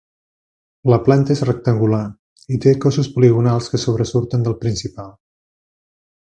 La planta és rectangular i té cossos poligonals que sobresurten del principal.